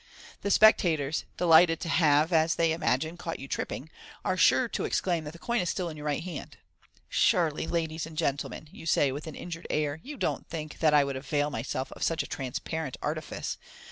The spectators, delighted to have, as they imagine, caught you tripping, are sure to exclaim that the coin is still in your right hand. " Surely, ladies and gentlemen," you say, with an injured air, "you don't think that I would avail myself of such a transparent artifice.